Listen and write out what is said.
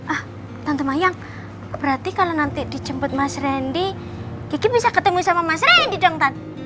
ah tante mayang berarti kalo nanti di jemput mas rendy kiki bisa ketemu sama mas rendy dong tante